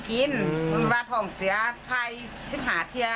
คุณป้าทองเสียใครเสื้อหน้าเทีย